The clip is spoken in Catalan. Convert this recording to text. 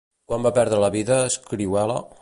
Quan va perdre la vida Escrihuela?